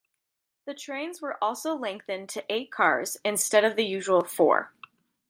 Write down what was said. The trains were also lengthened to eight cars instead of the usual four.